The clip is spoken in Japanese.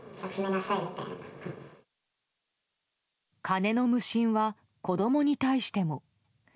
金の無心は子供に対しても。